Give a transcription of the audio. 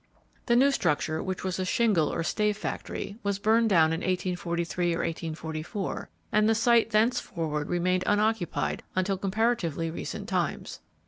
The new structure, which was a shingle or stave factory, was burned down in 1843 or 1844, and the site thenceforward remained unoccupied until comparatively recent times.